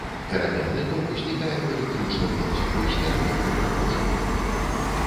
Пераменны ток ўзнікае ў электрычным ланцугу з пераменным напружаннем.